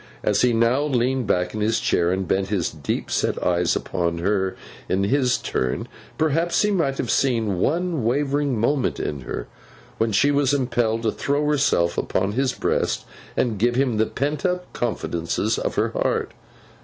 As he now leaned back in his chair, and bent his deep set eyes upon her in his turn, perhaps he might have seen one wavering moment in her, when she was impelled to throw herself upon his breast, and give him the pent up confidences of her heart.